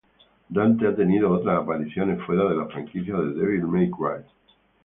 Dante ha tenido otras apariciones fuera de la franquicia de "Devil May Cry".